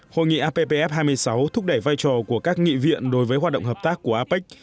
hội nghị appf hai mươi sáu thúc đẩy vai trò của các nghị viện đối với hoạt động hợp tác của apec